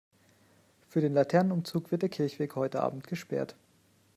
Für den Laternenumzug wird der Kirchweg heute Abend gesperrt.